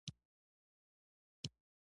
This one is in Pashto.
د شالیو پټي ښکلې منظره لري.